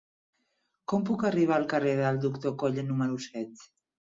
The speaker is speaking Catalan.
Com puc arribar al carrer del Doctor Coll número set?